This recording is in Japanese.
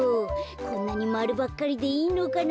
こんなにまるばっかりでいいのかな。